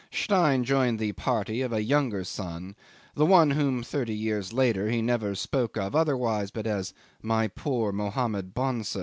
Stein joined the party of a younger son, the one of whom thirty years later he never spoke otherwise but as "my poor Mohammed Bonso."